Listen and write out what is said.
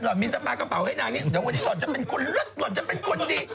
หล่อนมีสาปะกระเป๋าให้นางนี้หล่อนจะเป็นคนรึ๊ดหล่อนจะเป็นคนดี